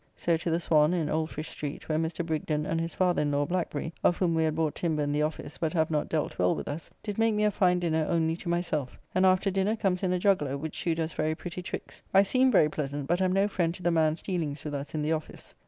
So to the Swan, in Old Fish Street, where Mr. Brigden and his father in law, Blackbury, of whom we had bought timber in the office, but have not dealt well with us, did make me a fine dinner only to myself; and after dinner comes in a jugler, which shewed us very pretty tricks. I seemed very pleasant, but am no friend to the man's dealings with us in the office.